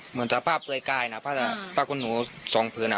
เหมือนสภาพเปลยกายนะพระคุณหนูสองผืน